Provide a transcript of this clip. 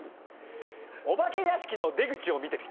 お化け屋敷の出口を見てる人。